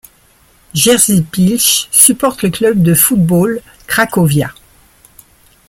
Jerzy Pilch supporte le club de football Cracovia.